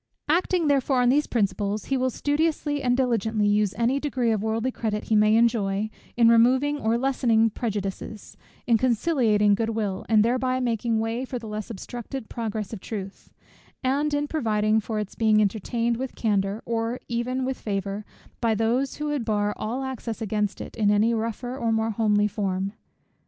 Acting therefore on these principles, he will studiously and diligently use any degree of worldly credit he may enjoy, in removing or lessening prejudices; in conciliating good will, and thereby making way for the less obstructed progress of truth; and in providing for its being entertained with candour, or even with favour, by those who would bar all access against it in any rougher or more homely form.